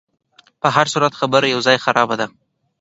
په هرصورت خبره یو ځای خرابه ده.